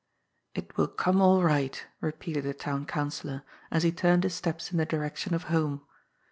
" It will come all right," repeated the Town Councillor, as he turned his steps in the direction of home.